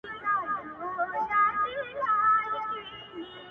o گرانه په دغه سي حشر كي جــادو ـ